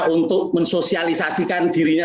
untuk mensosialisasikan dirinya